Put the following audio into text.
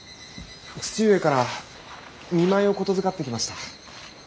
父上から見舞いを言づかってきました。